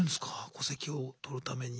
戸籍をとるために。